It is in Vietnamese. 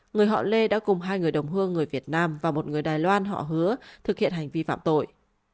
người họ lê đã cùng hai người đồng hương người việt nam và một người đài loan họ hứa thực hiện hành vi phạm tội